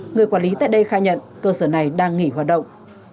người quản lý tại đây khai nhận cơ sở này đang nghỉ hoạt động